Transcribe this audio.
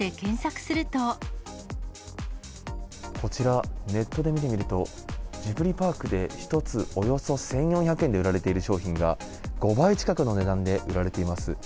こちら、ネットで見てみると、ジブリパークで１つおよそ１４００円で売られている商品が、５倍近くの値段で売られています。